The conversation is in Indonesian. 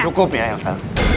cukup ya elsa